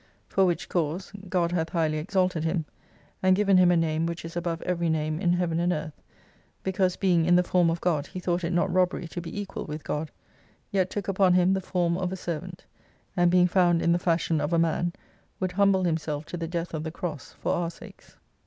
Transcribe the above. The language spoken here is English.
For which cause God hath highly exalted Him, and given Him a name which is above every name in Heaven and Earth, because being in the form of God, he 'thought it not robbery to be equal with God, yet took upon Him the form of a servant, and being found in the fashion of a man would humble Himself to the Death of the Cross for our sakes.